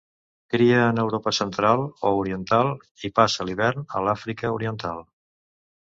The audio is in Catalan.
Cria en Europa central o oriental i passa l'hivern a l'Àfrica Oriental.